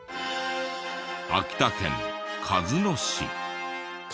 秋田県鹿角市。